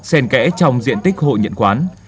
xen kẽ trong diện tích hộ nhận quán